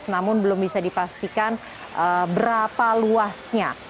namun belum bisa dipastikan berapa luasnya